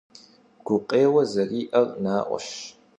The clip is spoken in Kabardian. Гукъеуэ зэриӏэр наӏуэщ.